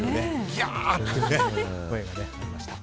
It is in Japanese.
ギャー！って声がありました。